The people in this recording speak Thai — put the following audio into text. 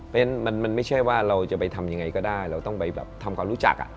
เพราะฉะนั้นมันไม่ใช่ว่าเราจะไปทำยังไงก็ได้เราต้องไปแบบทำความรู้จัก